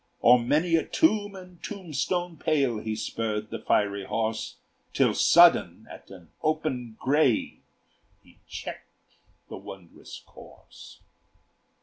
O'er many a tomb and tombstone pale He spurred the fiery horse, Till sudden at an open grave He checked the wondrous course.